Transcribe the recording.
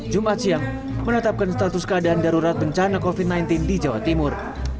jumat siang menetapkan status keadaan darurat bencana covid sembilan belas di jawa timur